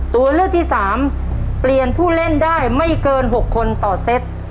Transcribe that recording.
ตัวเลือกที่สามเปลี่ยนผู้เล่นได้ไม่เกิน๖คนต่อเซต